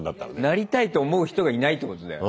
なりたいと思う人がいないってことだよ。